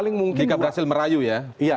jika berhasil merayu ya